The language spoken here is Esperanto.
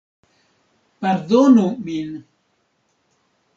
Pardonu min!